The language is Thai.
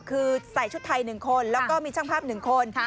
คือใส่ชุดไทยหนึ่งคนแล้วก็มีช่างภาพหนึ่งคน